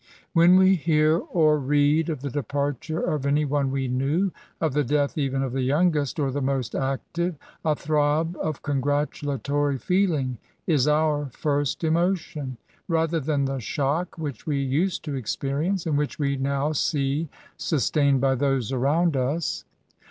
When we hear or read of the departure of any one we knew, — of the death even of the youngest or the most active,^ — a throb of congratulatory feeling is our first emotion, rather than the shock which we used to experience, and which we now see sustained by those aroUnd us.